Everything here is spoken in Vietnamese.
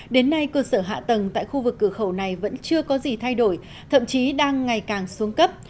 đến nay cơ sở hạ tầng tại khu vực cửa khẩu này vẫn chưa có gì thay đổi thậm chí đang ngày càng xuống cấp